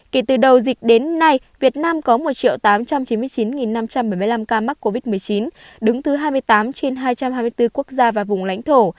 kể từ đầu dịch đến nay việt nam có một tám trăm chín mươi chín năm trăm bảy mươi năm ca mắc covid một mươi chín đứng thứ hai mươi tám trên hai trăm hai mươi bốn quốc gia và vùng lãnh thổ